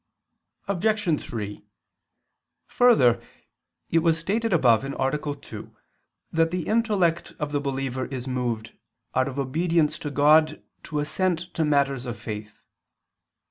Obj. 3: Further, it was stated above (A. 2) that the intellect of the believer is moved, out of obedience to God, to assent to matters of faith.